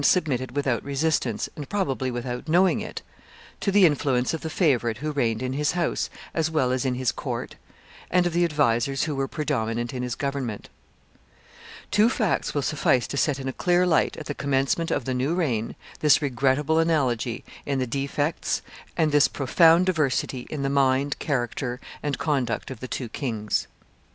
submitted without resistance, and probably without knowing it, to the influence of the favorite who reigned in his house as well as in his court, and of the advisers who were predominant in his government. Two facts will suffice to set in a clear light, at the commencement of the new reign, this regrettable analogy in the defects, and this profound diversity in the mind, character, and conduct of the two kings.